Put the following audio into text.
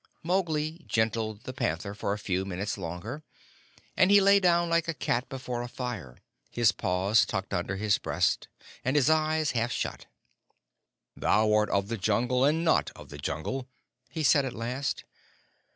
Mowgli gentled the panther for a few minutes longer, and he lay down like a cat before a fire, his paws tucked under his breast, and his eyes half shut. "Thou art of the Jungle and not of the Jungle," he said at last.